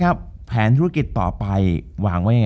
จบการโรงแรมจบการโรงแรม